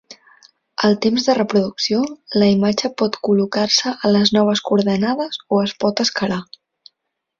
Al temps de reproducció, la imatge pot col·locar-se a les noves coordenades o es pot escalar.